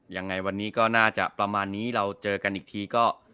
ยังไงวันนี้ก็น่าจะประมาณนี้เราเจอกันอีกทีก็